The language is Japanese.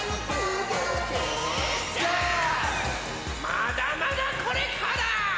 まだまだこれから！